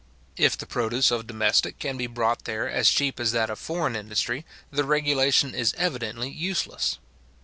If the produce of domestic can be brought there as cheap as that of foreign industry, the regulation is evidently useless.